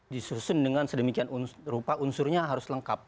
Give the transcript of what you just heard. disusun dengan sedemikian rupa unsurnya harus lengkap